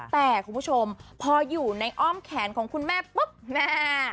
แต่คุณผู้ชมพออยู่ในอ้อมแขนของคุณแม่ปุ๊บแม่